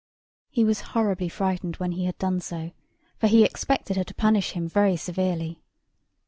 He was horribly frightened when he had done so; for he expected her to punish him very severely.